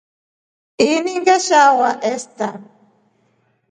Ini ngeshawa esta.